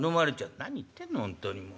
「何言ってんのほんとにもう。